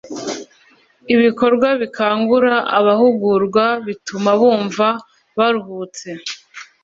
Ibikorwa bikangura abahugurwa bituma bumva baruhutse